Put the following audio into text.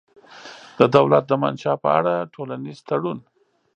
د دولت د منشا په اړه ټولنیز تړون